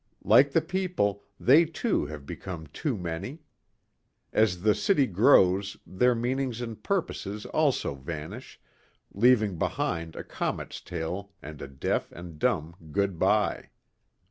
Like the people they too have become too many. As the city grows their meanings and purposes also vanish, leaving behind a comet's tail and a deaf and dumb good bye.